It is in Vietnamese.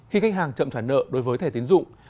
khi khách hàng chậm trả nợ đối với thẻ tiến dụng